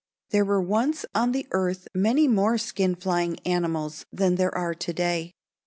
There were once on the earth many more skin flying animals than there are to day.